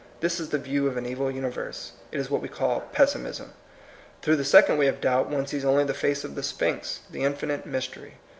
This is the view of an evil universe. It is what we call pessimism. Through the second way of doubt one sees only the face of the sphinx, the infinite mystery.